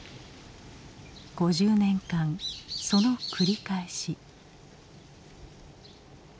５０年間その繰り返し。